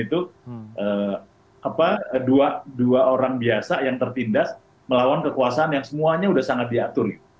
kita tahu bagaimana hunger games itu dua orang biasa yang tertindas melawan kekuasaan yang semuanya udah sangat diatur